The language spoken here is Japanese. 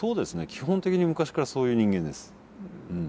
基本的に昔からそういう人間です。